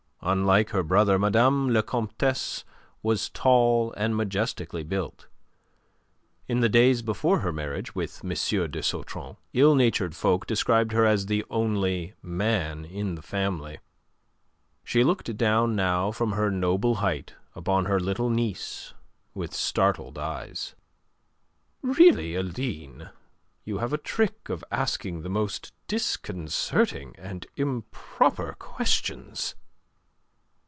Unlike her brother, Madame la Comtesse was tall and majestically built. In the days before her marriage with M. de Sautron, ill natured folk described her as the only man in the family. She looked down now from her noble height upon her little niece with startled eyes. "Really, Aline, you have a trick of asking the most disconcerting and improper questions."